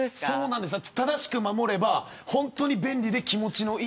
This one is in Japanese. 正しく守れば本当に便利で気持ちいい。